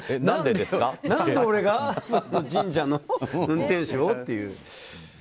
何で俺が神社の運転手を？って。